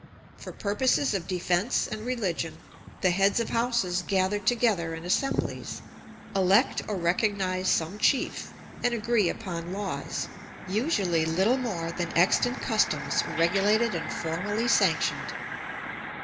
For purposes of defence and religion the heads of houses gather together in assemblies, elect or recognise some chief, and agree upon laws, usually little more than extant customs regulated and formally sanctioned.